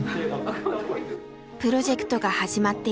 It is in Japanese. プロジェクトが始まって１年。